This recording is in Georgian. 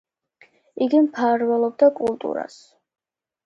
იგი მფარველობდა კულტურას.